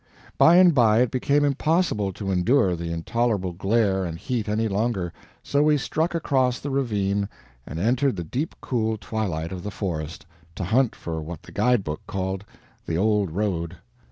By and by it became impossible to endure the intolerable glare and heat any longer; so we struck across the ravine and entered the deep cool twilight of the forest, to hunt for what the guide book called the "old road."